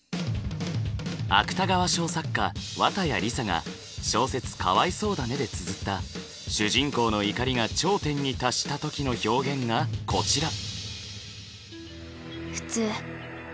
芥川賞作家綿矢りさが小説「かわいそうだね？」でつづった主人公の怒りが頂点に達した時の表現がこちら。